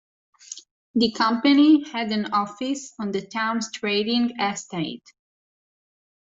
The company had an office on the town's trading estate